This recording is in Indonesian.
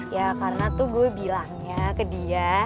ya karena tuh gue bilangnya ke dia